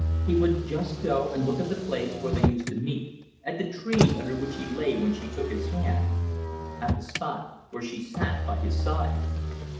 He would just go and look at the place where they used to meet, at the tree under which he lay when she took his hand, at the spot where she sat by his side.